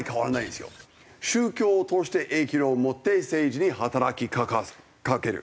宗教を通して影響力を持って政治に働きかける。